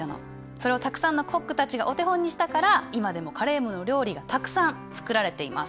それをたくさんのコックたちがお手本にしたから今でもカレームの料理がたくさん作られています。